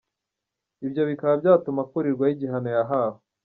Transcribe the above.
Ibyo bikaba byatuma akurirwaho igihano yahawe.